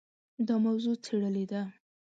دا موضوع څېړلې ده.